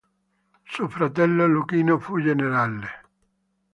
Suo fratello Luchino fu generale.